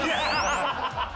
ハハハハ！